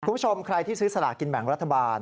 คุณผู้ชมใครที่ซื้อสลากินแบ่งรัฐบาล